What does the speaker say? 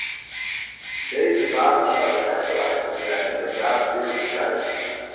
Deze basisveiligheidsvereisten zijn inderdaad zeer bescheiden.